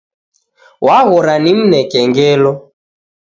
Waghora nimneke ngelo.